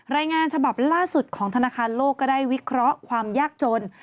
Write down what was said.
รายงานฉบับล่าสุดของธนาคารโลกก็ได้วิเคราะห์ความยากจน